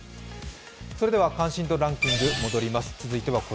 それでは関心度ランキングに戻ります。